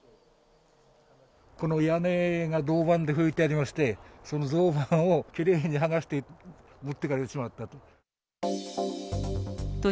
この屋根が銅板でふいてありまして、その銅板をきれいに剥がして持ってかれてしまったと。